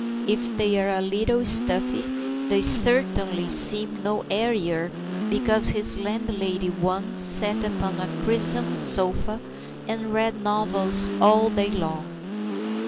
If they are a little stuffy, they certainly seem no airier because his landlady once sat upon a crimson sofa and read novels all day long.